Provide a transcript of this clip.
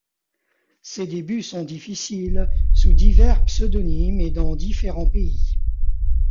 Ses débuts sont difficiles, sous divers pseudonymes et dans différents pays.